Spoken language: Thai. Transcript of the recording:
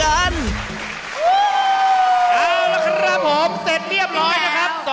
เอาละครับผมเสร็จเรียบร้อยนะครับ